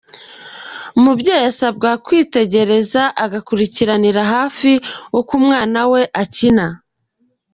Umubyeyi asabwa kwitegereza agakurikiranira hafi uko umwana we akina.